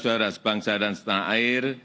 saudara sebangsa dan setanah air